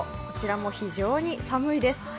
こちらも非常に寒いです。